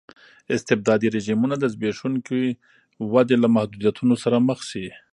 استبدادي رژیمونه د زبېښونکې ودې له محدودیتونو سره مخ شي.